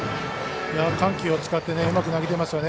緩急を使ってうまく投げてますよね。